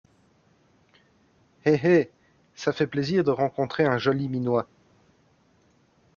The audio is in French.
Eh ! eh ! ça fait plaisir de rencontrer un joli minois.